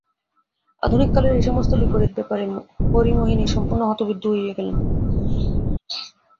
আধুনিক কালের এই-সমস্ত বিপরীত ব্যাপারে হরিমোহিনী সম্পূর্ণ হতবুদ্ধি হইয়া গেলেন।